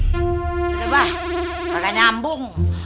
coba tidak nyambung